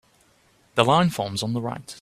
The line forms on the right.